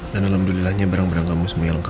dan alhamdulillahnya barang barang kamu semuanya lengkap